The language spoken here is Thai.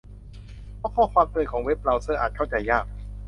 เพราะข้อความเตือนของเว็บเบราว์เซอร์อาจเข้าใจยาก